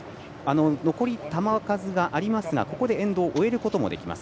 残り球数がありますがここでエンドを終えることもできます。